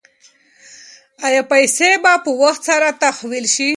ایا پیسې به په وخت سره تحویل شي؟